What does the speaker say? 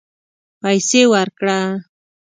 پیسې ورکړه